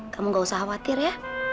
kamu gak usah khawatir ya